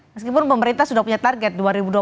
meskipun pemerintah sudah punya target dua ribu dua puluh